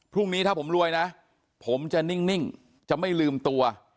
พรุ่งนี้ถ้าผมรวยนะผมจะนิ่งจะไม่ลืมตัว